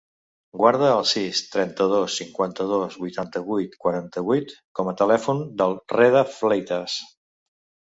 Guarda el sis, trenta-dos, cinquanta-dos, vuitanta-vuit, quaranta-vuit com a telèfon del Reda Fleitas.